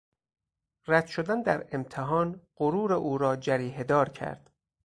رد شدن در امتحان غرور او را جریحهدار کرد.